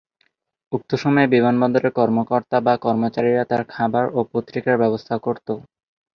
উক্ত সময়ে বিমানবন্দরের কর্মকর্তা বা কর্মচারীরা তার খাবার ও পত্রিকার ব্যবস্থা করতো।